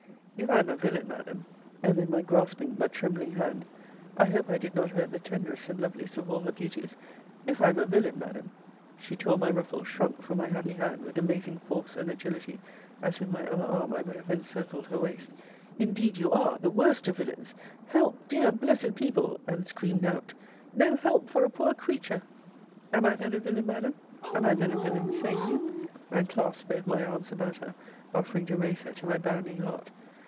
If I am a villain, Madam! And then my grasping, but trembling hand I hope I did not hurt the tenderest and loveliest of all her beauties If I am a villain, Madam She tore my ruffle, shrunk from my happy hand, with amazing force and agility, as with my other arm I would have encircled her waist. Indeed you are! the worst of villains! Help! dear, blessed people! and screamed out No help for a poor creature! Am I then a villain, Madam? Am I then a villain, say you? and clasped both my arms about her, offering to raise her to my bounding heart.